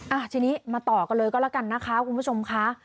อ่ะทีนี้มาต่อกันเลยก็แล้วกันนะคะคุณผู้ชมค่ะ